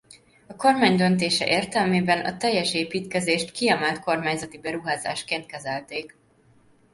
A kormány döntése értelmében a teljes építkezést kiemelt kormányzati beruházásként kezelték.